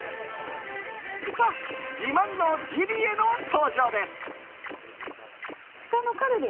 さあ、自慢のジビエの登場です。